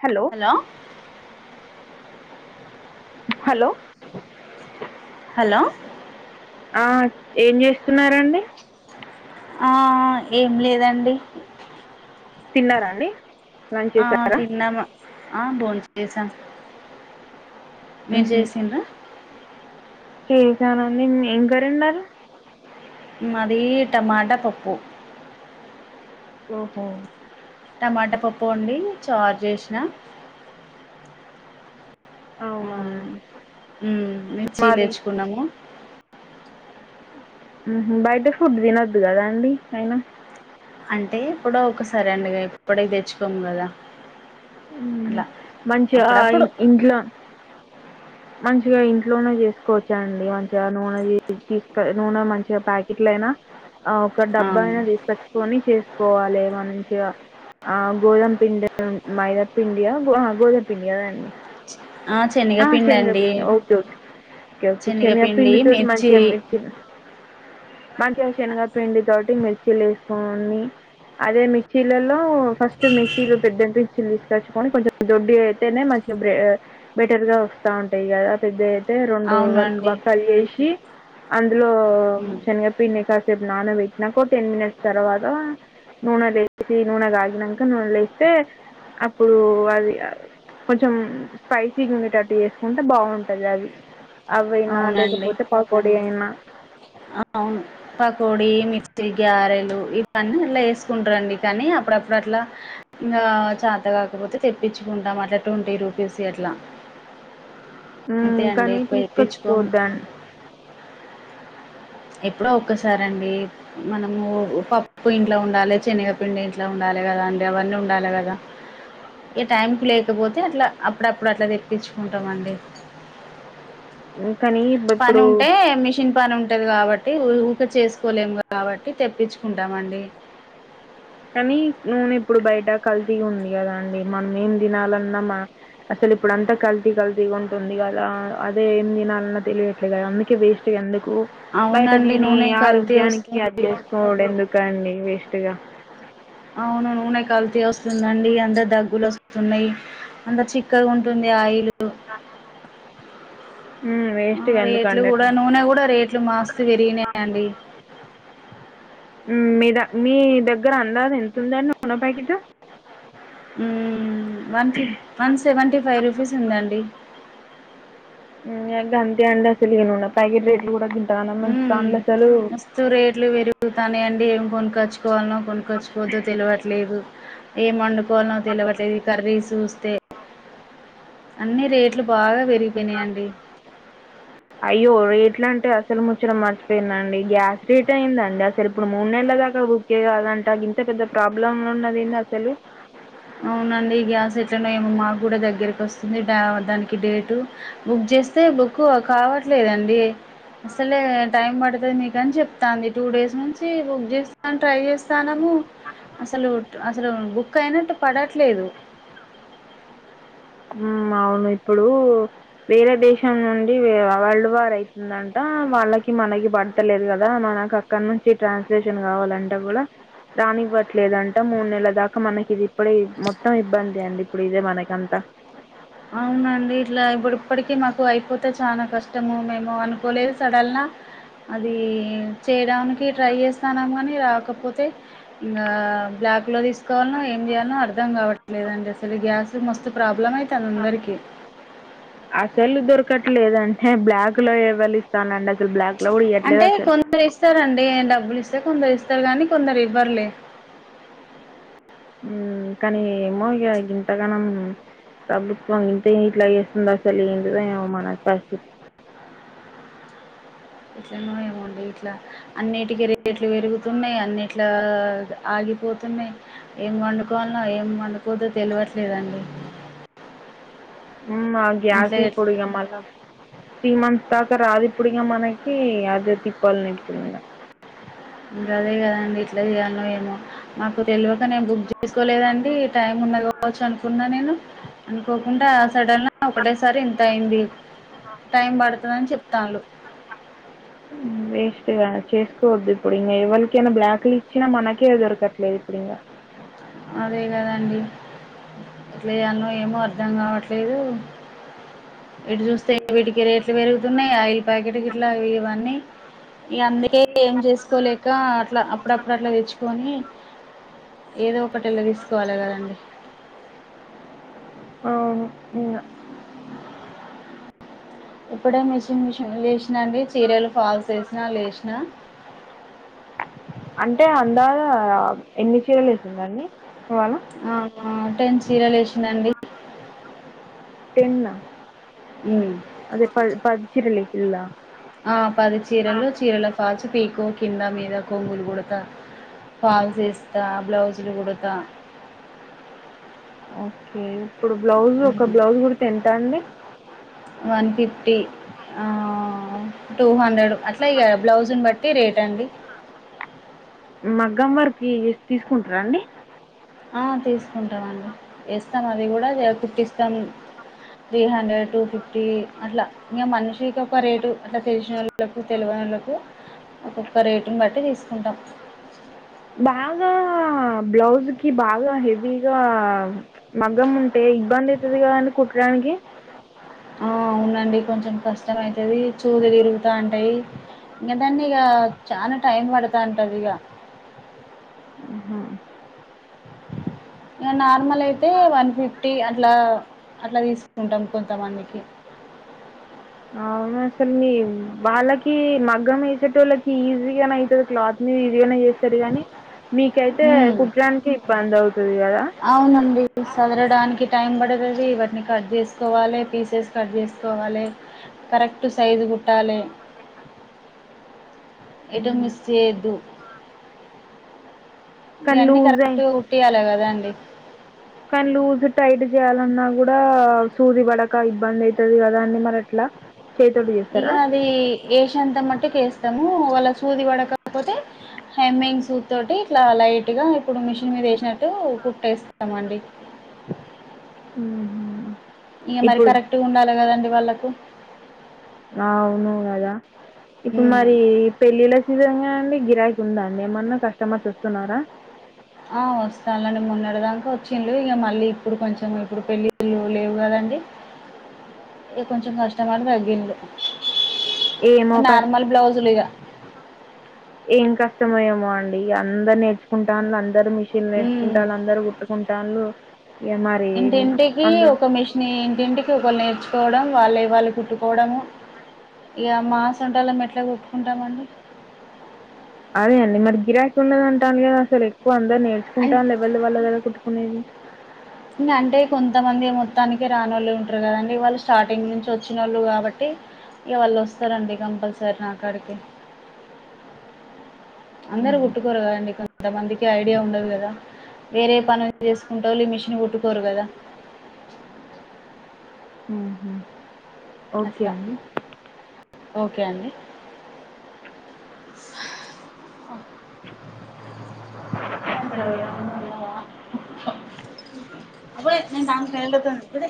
Hello hello hello ఆ ఏమి ఆ ఏం లేదండి తిన్నారా అండి లంచ్ ఆ చేసారా తిన్నమా ఆ బోన్ చేసా మీరు ఉహు చేసిన్రా చేసానండి ఏం కర్రి అండారు. మాది టమాటా పప్పు ఓహో టమాటా పప్పు అండి చారు చేసిన అవునా ఉమ్, ఉమ్, మిర్చీలు మాది తెచ్చుకున్నము ఉహు బయట ఫుడ్ తినొద్దు కదా అండి అయినా అంటే ఇప్పుడో ఒకసారి అండి ఎప్పడికీ తెచ్చుకోము కదా మ్మ్. అట్ల మంచిగా అప్పుడప్పుడు ఇన్- ఇంట్లో మంచిగా ఇంట్లోనే చేసుకోవచ్చాండి మంచిగా నూనె తీసు నూనె మంచిగా ప్యాకెట్ల ఒక ఆ డబ్బా అయినా తీసుకోచ్చుకొని చేసుకోవాలి మంచిగా ఆ గోదమ్ పిండి మైదాపిండియా ఆ గోదమ్ పిండి కదా అండి ఆ, ఆ శనగపిండి శనగ అండి పిండి ఓకే ఓకే ఓకే ఓకే శనిగ ఆ శనగపిండి పిండితోటి మిర్చి మంచిగా మిర్చీలు మంచిగా శనగ పిండి తోటి మిర్చిలు చేసుకొని అదే మిర్చిలలో ఫస్ట్ మిర్చిలు పెద్ద మిర్చిలు తీసుకొచ్చుకొని కొంచెం దొడ్డి అయితేనే బెటర్ గా వస్తా ఉంటాయి కదా పెద్దయితే రెండు వర్క్ అవునండి వర్కలు చేసి అందులో ఉమ్, శనగపిండి కాసేపు నాన పెట్టినాక ఓ టెన్ మినిట్స్ తర్వాత నూనె లేసి నూనె కాగినంక నూనె లేస్తే అప్పుడు ఆ అది కొంచెం స్పైసీ ఉండేటట్టు చేసుకుంటే బాగుంటది అవి అవైనా అవునండి లేకపోతే పకో డియిన్నా పకోడి, మిర్చి, గార. లు ఇవన్నీ ఇలా చేసుకుంటారండి కానీ అప్పుడప్పుడు అట్లా ఇంగా చేత కాకపోతే తెప్పించుకుంటాం అట్లా ట్వంటీ రూపీస్ ఈ అట్లా అంతే మ్మ్ అండి కానీ ఎక్కువ తేప్పించుకోము. తీసుకొచ్చిపోద్దాన్ ఎప్పుడో ఒక్కసార అండి మనము పప్పు ఇంట్లో ఉండాలి శనగపిండి ఇంట్లో ఉండాలి కదా అండి అవన్నీ ఉండాలి కదా [inaudible] ఈ టైంకి లేకపోతే అట్లా అప్పుడప్పుడు అట్లా తెప్పించుకుంటమండి కానీ ఇప్- పని ఇప్పుడు ఉంటే మిషన్ పని ఉంటే ఉంటది కాబట్టి ఊక చేసుకోలేము కాబట్టి తెప్పించుకుంటామండి. కానీ, నునె ఇప్పుడు బయట కల్తీగుంది కదా అండి, మనం ఏం తినాలన్నా మా అస ఇప్పుడు అంతా కల్తీ కల్తీగా ఉంటుంది కదా! అదే ఏం తినాలన్నా తెలియట్లే కదా! అందుకే వేస్ట్ అందు కు బయట అవునండి. దీని నూనె కల్తీ ఆరోగ్యానికి అబ్ వస్తుంది. చేసుకోవడం ఎందుకండి వేస్ట్గా. అవును నూనె కల్తీ వస్తుందండి. అందరు దగ్గులు వస్ న్నాయి అంత చిక్కగుంటుంది ఆయిల్. అ ఆ రేట్లు కూడ నూనె కూడ రేట్లు మస్త్ పెరిగినాయండి. మ్మ్ మీ ద, మీ దగ్గర అందాజు ఎంత ఉందండి నూనె ప్యాకిటు మ్ వన్ ఫిఫ్, వన్ సెవెంటీ ఫైవ్ రూపీస్ ఉందండి. మ్మ్ అదే అంటి అంతా, సెనిగ నూనె పాకెట్ రేట్లు గూడ మ్ మస్తు రేట్లు పెరుగుతానే ఉంటె, ఏం కొనుక్కచ్చు కోవాలనో, కొనుక్కొచ్చుకొవద్దో తెలువట్లేదు. ఏ వండుకోవాలనో తెలవట్లేదు ఈ కర్రీ చూస్తే. అన్ని రేట్లు బాగ పెరిగిపోయినాయండి. అట్లంటే, అసలు ముచ్చట మర్చిపోయిందండి. గ్యాస్ రేట్ ఏందండి, అసలు ఇప్పుడు మూడు నెలల దాకా బుక్ చేయాలన్ అంట గింత పెద్ద ప్రాబ్లం ఉన్నది ఏంటి అసలు? అవునండి. గ్యాస్ ఎట్లనో ఏమ్ మాకు కూడ దగ్గరికి వస్తుంది డా దానికి డేటు. బుక్ చేస్తే బుక్ కావట్లేదన్ డి. అసలే టైం పడతది మీకని చెప్తాంది టూ డేస్ నుంచి బుక్ చేస్ అని ట్రై చేస్తానము. అసలు, అసలు బుక్ అయినట్టు పడట్లేదు. మ్ అవును. ఇప్పుడు వేరే దేశం నుండి వరల్డ్ వార్ అయితుందంట. వాళ్ళకి మనకి పడతలేదు కదా! మనకు అక్కడ నుంచి ట్రాన్స్లేషన్ కావాలంటే కూడా, రానివ్వట్లేదంట. మూడు నెలల దాక మనకిది ఇప్పుడె. మొత్తం ఇబ్బందె అండి ఇప్పుడు ఇదే మనకంతా. అవునండి. ఇట్లా ఇప్పుడిప్పటికీ మాకు అయిపోతే చాన కస్ టము మేము అనుకోలేదు సడల్ల. అదీ చే యడానికి ట్రై చేస్తానం కానీ, రాకపోతే ఇంగ బ్లాక్లో తీసుకోవాలనో ఏం చేయాల్ ఏమో అర్థం కావట్లేదండి అసలు గ్యాస్ తో మస్తు ప్రాబ్లం అయితంది అందరికీ. సెల్లు దొరకట్లేదంటే బ్లాక్ లో ఎవలిస్తానండి అసలు బ్లాక్‌లో కూడా ఇయ్యట్లేదు అంటే అసలు. కొందరు ఇస్తరండి. డబ్బులు ఇస్ తె కొందరు ఇస్తారు గానీ, కొందరు ఇవ్వర్లే. మ్ కానీ ఏమో ఇక గింతగానం ప్రభుత్వం ఇంతైనిట్ల చేస్తుందస్సలు ఏంటిదో ఏమో మన పరిస్థితి. ఎట్లనో ఏమో అండి. ఇట్ల అన్నిటికి రేట్లు పెరుగు తున్నాయి. అన్నిట్ల ఆగిపోతున్నాయి ఏం వండుకోవాలనో ఏం వండు పోతే తెలువట్లేదండి. మ్ ఆ గ్యాసు ఇప్పుడు ఇగ మల్ల త్రీ మంత్స్ దాకా రాదు. ఇప్పుడు ఇంగ మనకి అదే తిప్పాల్ ని ఇప్పుడు కూడ. గదే కదండి ఎట్లా చేయాల్నో ఏమో. మాకు తెల్వక నేను బుక్ చే తీసుకోలేదండి. టైం ఉన్నది కావచ్చు అనుకున్నా నేను. అనుకోకుండా సడన్గ ఒకటేసారి ఇంతయింది. టైం పడతదని చెప్తాన్లు. మ్ ఎ ఇగ చేసుకోవద్దు ఇప్పుడు ఇంగ. ఎవలకయిన బ్లాక్లు ఇచ్చినా మనకే దొరకట్లేదు ఇప్పుడు ఇంగ అదే కదండి! ఎట్లా చేయాలనో ఏమో అర్థం కావట్లేదు. ఇటు చూస్తే వీటికి రేట్లు పెరుగుతున్నాయి. ఆయిల్ ప్యాకెట్కి గిట్ల ఇవన్నీ. ఇగ అందుకే, ఏం చేసుకోలేక అట్ల అప్పుడప్పుడు అట్లా తెచ్చుకొని, ఏదో ఒకటి ఎళ్ల తీసుకోవాలి కదండి! అవును ఇంగ ఇప్పుడే మిషన్ మిషన్ లేచినా అండి చీరలు ఫాల్స్ ఏసినా లేచినా అంటే అందధ ఎన్ని చీరలు వేసిరు అండి ఆ ఆ టెన్ చీరలు ఏసి మా టెన్ ఆ అదే ప పది చీరలు ఏసిన్ల ఆ పది చీరలు చీరల ఫాల్చు పీకో కింద మీద కొంగులు కుడతా ఫాల్స్ వేస్తా బ్లౌజులు కుడతా ఓకే ఇప్పుడు బ్లౌజ్ హ్మ్. ఒక బ్లౌజ్ కుడితే ఎంత అండి వన్ ఫిఫ్టీ ఆ టూ హండ్రెడ్ అట్లా ఇగా బ్లౌజుని బట్టి రేట్ అండి త్రి తీసుకుంటారా అండి ఆ తీసుకుంటామండి ఎస్తాం అది కూడా కుట్టిస్తాం త్రీ హండ్రెడ్ టూ ఫిఫ్టీ అట్లా ఇగా మనిషికి ఒక రేటు అట్లా తెలిసినోలకు తేలవనొలకు ఒక్కొక్క రేటును బట్టి తీసుకుంటాం బాగా బ్లౌజ్ కి బాగా హెవీగా మాఘం ఉంటే ఇబ్బంది అయితది కదండి కుట్టడానికి ఆ అవునండి కొంచెం కష్టమ అయితది చూదులు ఇరుగుతూ ఉంటాయి ఇక దాన్నిగా చాలా టైం పడతా ఉంటది ఇగా హమ్మ్ ఇగ నార్మల్ అయితే వన్ ఫిఫ్టీ అట్లా అట్లా తీసుకుంటాం కొంతమందికి అవును అసలు మీ వాళ్ళకి మగ మగ్గం వేసేటోలకి వాళ్ళకి ఈజీ గానే అయితది క్లాత్ మీద ఈజీ గానే చేస్తారు కాని మీకైతే హ్మ్. కుట్టడానికి ఇబ్బంది అవుతాది కదా అవునండి. సదరడానికి టైం పడుతుంది ఇవన్నీ కట్ చేసుకోవాలి పీసెస్ కట్ చేసుకోవాలి కరెక్ట్ సైజు కుట్టాలే ఎటు ఉమ్. మిస్ చేయొద్దు కానీ ఇయాని లూజ్ కరెక్ట్ అయి కుట్టియాలే కదా అండి కానీ లూజ్ టైట్ చేయాలన్నా కూడా సూది పడక ఇబ్బంది అయితది కదా అండి మరి ఎట్లా చేయితోటి చేస్తారా వేసినఅంతమటుకి వేస్తాము వాళ్ళ సూది పడకకపోతే హెమయింగ్ సూద్తోోటి ఇట్లా లైట్గా ఇప్పుడు మిషన్ మీద వేసినట్టు కుట్టేస్తామండి ఉమ్మ్ ఇగ మరి కరెక్ట్గా ఉండాలి కదండి వాళ్ళకు అవును కదా ఇప్పుడు హ్మ్ మరి పెళ్ళిళ్ళ సీజన్ కదా అండి గిరాకీ ఉందాండి ఏమన్నా కస్టమర్స్ వస్తున్నారా ఆ వస్తారండీ మొన్నటిదాకా వచ్చిలు ఇక మళ్ళీ ఇప్పుడు కొంచెం ఇప్పుడు పెళ్ళిళ్ళు లేవు కదండి అ ఇక కొంచెం కస్టమర్లు తగ్గిండ్రు ఏమో కష్ నార్మల్ బ్లౌజులిగా ఏం కష్టమో ఏమో అండి అందరు నేర్చుకుంటారు అందరూ మెషిన్లు మిషన్ హ్మ్ నేర్చుకుట్లాలు అందరూ కొట్టుకుటన్లు ఇంటింటికి ఒక మిషన్ ఇంటింటికి ఒకళ్ళు నేర్చుకోవడం వాళ్ళ వాళ్ళ కుట్టు పోవడము ఇక మా అసంటోళం ఎట్లా కుట్టుకుంటామండి అదే అండి మరి గిరాకి ఉండద అంటన్లు కదా అసలు ఎక్కువ అ అన్ నేర్చుకుంటాడ్లు ఎవరిది వాళ్ళదే కదా కుట్టుకునేది ఇక అంటే కొంతమంది మొత్తానికే రాని వాళ్ళు ఉంటారు కదండి వాళ్ళు స్టార్టింగ్ నుంచి వచ్చిన వాళ్ళు కాబట్టి ఇగా వాళ్ళుస్తారండి కంపల్సరి ఒస్తారు నకాడికి అందరు కుట్టుకోరు కదండి కొంతమందికి ఐడియా ఉండదు కదా వేరే పనులు చేసుకుంటా వాళ్ళు మిషన్ కుట్టుకోరు కదా ఉహు అసలా ఓకే అండి అక్కడ ఎవరన్నా ఉన్నారా అప్పుడు నను తాన కేడ ఇప్పుడ